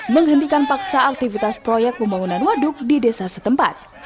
menghentikan paksa aktivitas proyek pembangunan waduk di desa setempat